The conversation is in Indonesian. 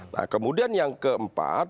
nah kemudian yang keempat